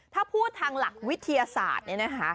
ถ้าพูดทางหลักวิทยาศาสตร์เนี่ยนะคะ